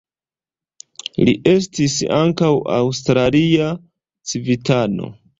Li estis ankaŭ aŭstralia civitano.